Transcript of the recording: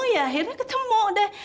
ya akhirnya ketemu deh